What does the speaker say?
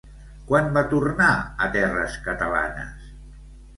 Quan va tornar a terres catalanes?